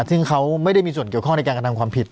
ซึ่งเขาไม่ได้มีส่วนเกี่ยวข้องในการกระทำความผิด